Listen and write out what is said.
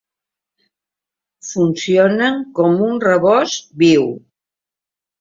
Funcionen com un rebost viu.